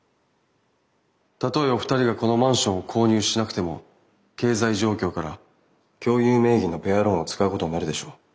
たとえお二人がこのマンションを購入しなくても経済状況から共有名義のペアローンを使うことになるでしょう。